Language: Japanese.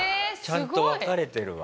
ちゃんと分かれてるわ。